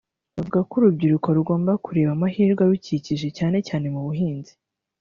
Avuga ko urubyiruko rugomba kureba amahirwe arukikije cyane cyane mu buhinzi